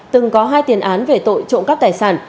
từng có hai tiền án về tội trộm cắp tài sản